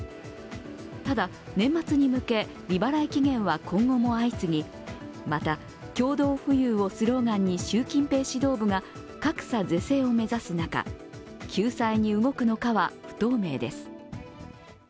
ただ、年末に向け、利払い期限は今後も相次ぎまた、共同富裕をスローガンに習近平指導部が格差是正を目指す中、救済に動くのかは不透明です。